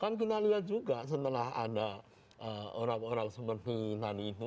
kan kita lihat juga setelah ada orang orang seperti nani itu